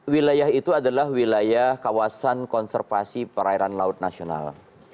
wilayah itu adalah wilayah kawasan konservasi perairan laut nasional